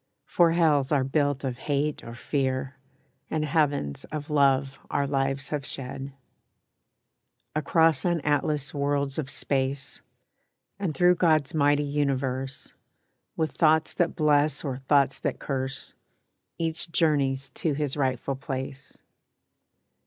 For hells are built of hate or fear, And heavens of love our lives have shed. Across unatlassed worlds of space, And through God's mighty universe, With thoughts that bless or thoughts that curse, Each journeys to his rightful place.